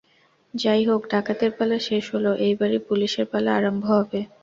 যাই হোক, ডাকাতের পালা শেষ হল, এইবারি পুলিসের পালা আরম্ভ হবে।